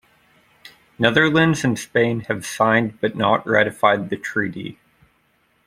Netherlands and Spain have signed but not ratified the treaty.